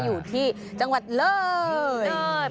อยู่ที่จังหวัดเลิศ